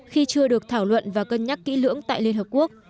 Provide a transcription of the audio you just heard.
khi chưa được thảo luận và cân nhắc kỹ lưỡng tại liên hợp quốc